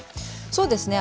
そうですね。